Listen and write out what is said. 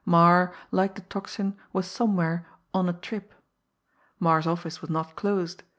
Marre, like the Tocsin, was somewhere "on a trip." Marre's office was not closed.